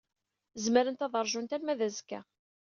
Zemrent ad ṛjunt arma d azekka.